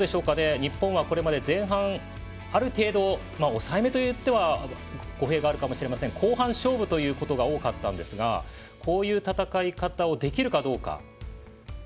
日本はこれまで前半ある程度、抑えめといっては語弊があるかもしれませんが後半勝負ということが多かったんですがこういう戦い方をできるかどうか。